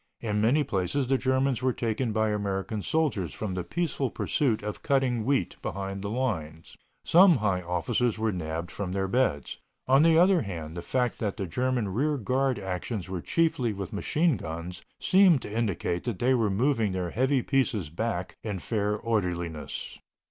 In many places the Germans were taken by American soldiers from the peaceful pursuit of cutting wheat behind the lines. Some high officers were nabbed from their beds. On the other hand, the fact that the German rear guard actions were chiefly with machine guns seemed to indicate that they were moving their heavy pieces back in fair orderliness.